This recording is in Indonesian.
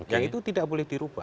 nah itu tidak boleh dirubah